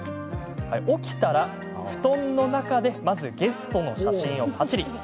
起きたら布団の中でまずゲストの写真をパチリ。